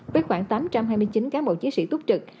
với khoảng tám trăm hai mươi chín cán bộ chiến sĩ túc trực